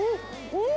うん。